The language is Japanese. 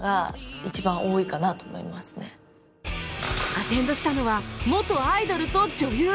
アテンドしたのは元アイドルと女優